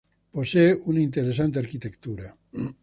Posee una interesante arquitectura.